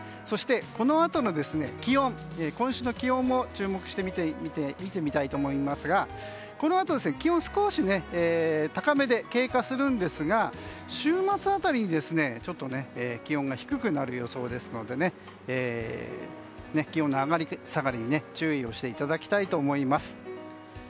そして、このあとの気温今週の気温も注目して見てみたいと思いますがこのあと、気温は少し高めで経過するんですが週末辺りに気温が低くなる予想ですので気温の上がり下がりに注意していただきたいと思います。